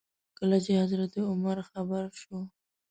کله چې حضرت عمر خبر شو.